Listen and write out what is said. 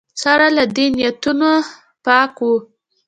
سره له دې نیتونه پاک وو